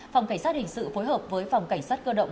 phòng cảnh sát hình sự phối hợp với phòng cảnh sát cơ động